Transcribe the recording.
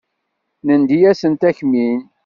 Nendi-asent akmin.